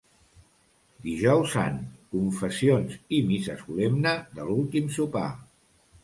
Dijous Sant: confessions i missa solemne de l'últim sopar.